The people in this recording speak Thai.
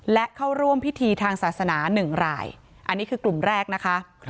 และเข้าร่วมพิธีทางศาสนา๑รายอันนี้คือกลุ่มแรกนะคะ